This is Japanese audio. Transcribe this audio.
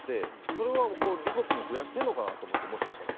それはリコピン増やしてるのかなと思って。